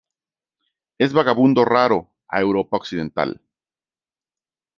Es vagabundo raro a Europa occidental.